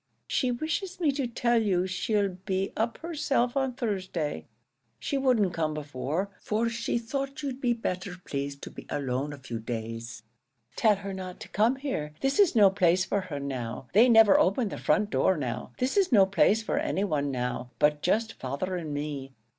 She wishes me to tell you she 'll be up herself on Thursday; she wouldn't come before, for she thought you'd be better pleased to be alone a few days." "Tell her not to come here. This is no place for her now. They never open the front door now. This is no place for any one now, but just father and me.